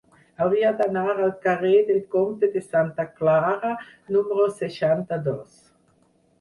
Hauria d'anar al carrer del Comte de Santa Clara número seixanta-dos.